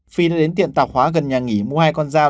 phi đã đến tiện tạo khóa gần nhà nghỉ mua hai con dao